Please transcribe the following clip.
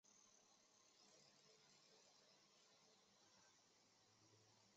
本条目的范围仅局限于赤道以北及国际换日线以西的太平洋水域。